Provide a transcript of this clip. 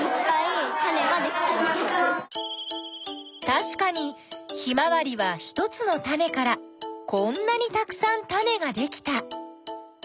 たしかにヒマワリは１つのタネからこんなにたくさんタネができた。